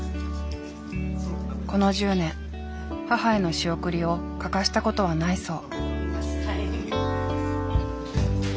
この１０年母への仕送りを欠かした事はないそう。